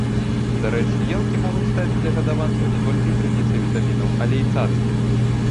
Дарэчы, елкі могуць стаць для гадаванцаў не толькі крыніцай вітамінаў, але і цацкай.